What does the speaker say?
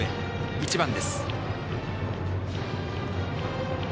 １番です。